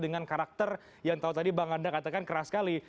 dengan karakter yang tahu tadi bang anda katakan keras sekali